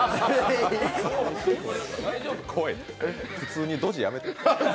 普通にドジやめて。